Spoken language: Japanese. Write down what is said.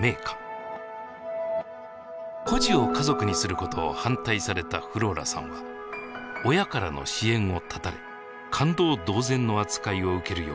孤児を家族にすることを反対されたフローラさんは親からの支援を断たれ勘当同然の扱いを受けるようになったのです。